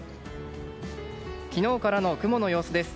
昨日からの雲の様子です。